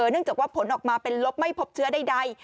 เนื่องจากว่าผลออกมาเป็นลบไม่พบเชื้อใด